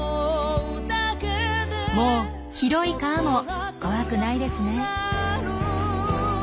もう広い川も怖くないですね。